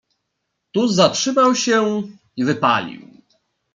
"Tu zatrzymał się i wypalił."